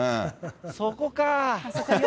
そこかぁ。